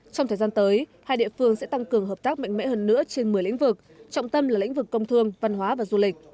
trong thời gian tới hai địa phương sẽ tăng cường hợp tác mạnh mẽ hơn nữa trên một mươi lĩnh vực trọng tâm là lĩnh vực công thương văn hóa và du lịch